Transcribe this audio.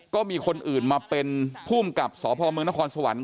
ก็มีคนอื่นมาเป็นภูมิกับสพเมืองนครสวรรค